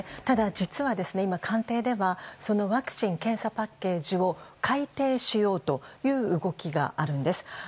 ただ実は今、官邸ではワクチン・検査パッケージを改訂しようという動きがあるんです。